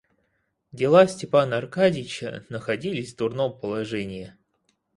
Дела Степана Аркадьича находились в дурном положении.